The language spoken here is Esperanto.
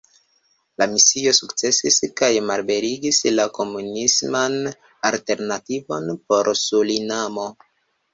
La misio sukcesis kaj malebligis la komunisman alternativon por Surinamo.